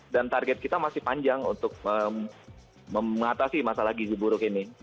dan target kita masih panjang untuk mengatasi masalah gizi buruk ini